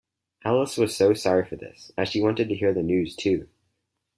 Alice was sorry for this, as she wanted to hear the news too.